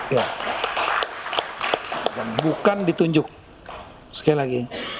ya bukan ditunjuk sekali lagi